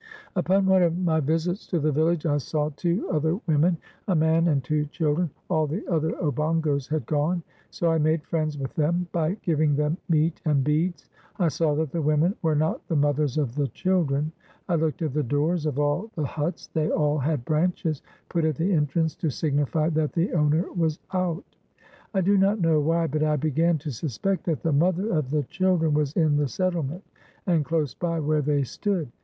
Upon one of my visits to the village I saw two other women, a man, and two children ; all the other Obongos had gone. So I made friends with them by giving them meat and beads. I saw that the women were not the mothers of the children. I looked at the doors of all the huts; they all had branches put at the entrance to signify that the owner was out. I do not know why, but I began to suspect that the mother of the children was in the settlement, and close by where they stood.